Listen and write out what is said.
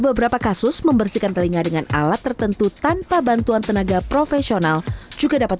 beberapa kasus membersihkan telinga dengan berat dan kemudian memasuki telinga dengan kelembapan